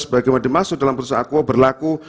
bagaimana dimaksud dalam putusan aku berlaku